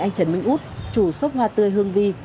anh trần minh út chủ xốp hoa tươi hương vi